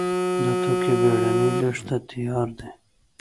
دا توکي بېړنۍ لېږد ته تیار دي.